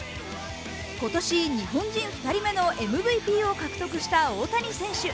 今年、日本人２人目のＭＶＰを獲得した大谷選手。